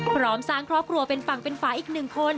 พร้อมสร้างครอบครัวเป็นฝั่งเป็นฝาอีกหนึ่งคน